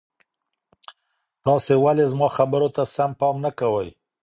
تاسو ولي زما خبرو ته سم پام نه کوئ؟